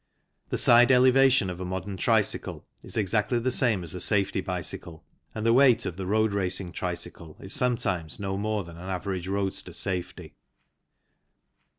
The side elevation of a modern tricycle is exactly the same as a safety bicycle, and the weight of the road racing tricycle is sometimes no more than an average roadster safety.